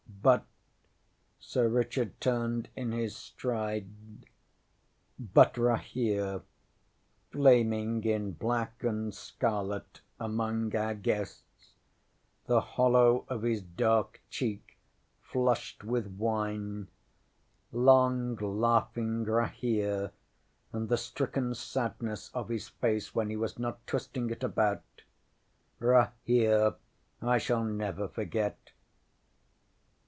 ButŌĆÖ Sir Richard turned in his stride ŌĆśbut Rahere, flaming in black and scarlet among our guests, the hollow of his dark cheek flushed with wine long, laughing Rahere, and the stricken sadness of his face when he was not twisting it about Rahere I shall never forget.